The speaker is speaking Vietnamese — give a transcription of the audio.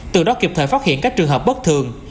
từ đó kịp thời phát hiện các trường hợp bất thường